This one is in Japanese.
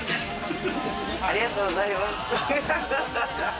ありがとうございます。